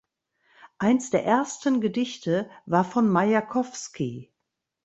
Eins der ersten Gedichte war von Majakowski.